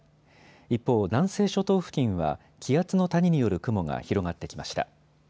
一方、南西諸島付近は気圧の谷による雲が広がってきました。